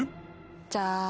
じゃあ。